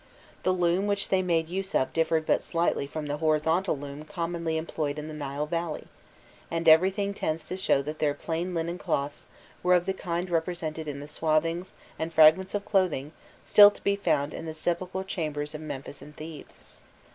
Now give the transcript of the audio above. The loom which they made use of differed but slightly from the horizontal loom commonly employed in the Nile Valley, and everything tends to show that their plain linen cloths were of the kind represented in the swathings and fragments of clothing still to be found in the sepulchral chambers of Memphis and Thebes.